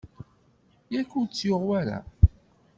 Yak ur t-yuɣ wara?